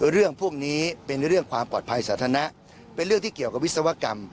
เรื่องพวกนี้เป็นเรื่องความปลอดภัยสาธารณะเป็นเรื่องที่เกี่ยวกับวิศวกรรม